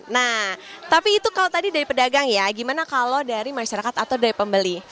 nah tapi itu kalau tadi dari pedagang ya gimana kalau dari masyarakat atau dari pembeli